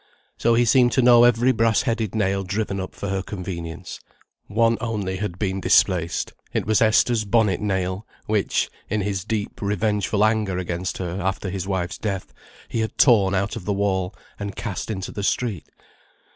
So he seemed to know every brass headed nail driven up for her convenience. One only had been displaced. It was Esther's bonnet nail, which, in his deep revengeful anger against her, after his wife's death, he had torn out of the wall, and cast into the street.